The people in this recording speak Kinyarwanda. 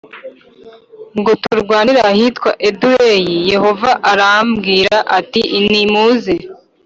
ngo turwanire ahitwa Edureyi Yehova arambwira ati nimuze